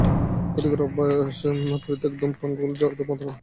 ক্ষতিকর অভ্যাস পরিত্যাগ—ধূমপান, গুল, জর্দা, মদ্যপান ইত্যাদি অভ্যাস বাদ দিতে হবে।